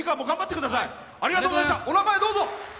お名前、どうぞ。